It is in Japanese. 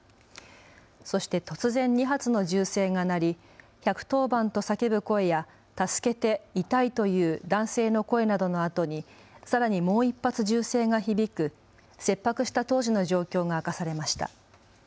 そして突然２発の銃声が鳴り１１０番と叫ぶ声や助けて、痛いという男性の声などのあとにさらにもう１発銃声が響く切迫した当時の状況が明かされました。